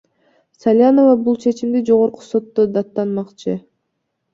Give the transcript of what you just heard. Салянова бул чечимди Жогорку сотто даттанмакчы.